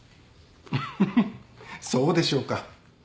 ンフフッそうでしょうか。